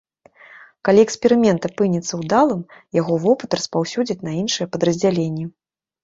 Калі эксперымент апынецца ўдалым, яго вопыт распаўсюдзяць на іншыя падраздзяленні.